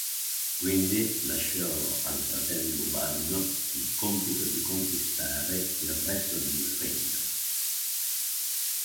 Quindi lasciò al fratello Ubaldo il compito di conquistare il resto del regno.